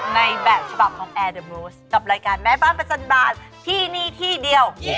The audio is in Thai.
ในแบบฉบับของแอร์เดอร์บรูสกับรายการแม่บ้านประจันบาลที่นี่ที่เดียว